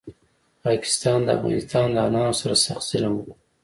پاکستاد د افغانستان دانارو سره سخت ظلم وکړو